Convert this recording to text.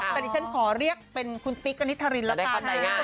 แต่ดิฉันขอเรียกเป็นคุณติ๊กกานิทรินแล้วกันนะครับ